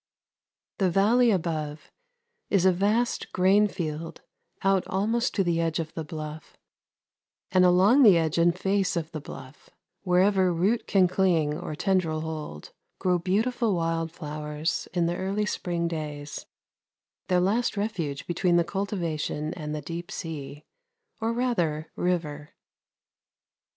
The valley above is a vast grainfield out almost to the edge of the bluff, and along the edge and face of the bluff, wherever root can cling or tendril hold, grow beautiful wild flowers in the early spring days their last refuge between the cultivation and the deep sea, or rather, river.